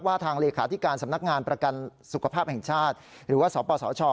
ทางเลขาธิการสำนักงานประกันสุขภาพแห่งชาติหรือว่าสปสช